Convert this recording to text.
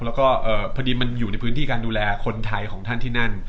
แล้วก็พอดีมันอยู่ในพื้นที่การดูแลคนไทยของท่านที่นั่น